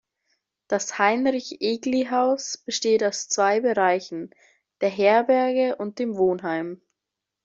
Das Heinrich-Egli-Haus besteht aus zwei Bereichen, der Herberge und dem Wohnheim.